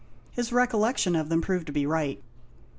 His recollection of them proved to be right.